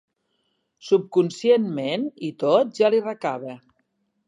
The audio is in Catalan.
Subconscient ment i tot, ja li recava